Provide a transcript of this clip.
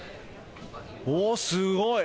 おー、すごい。